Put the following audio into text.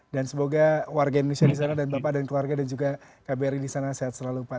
dan semoga warga indonesia di sana dan bapak dan keluarga dan juga kbrn di sana sehat selalu pak